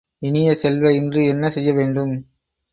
இனிய செல்வ, இன்று என்ன செய்யவேண்டும்?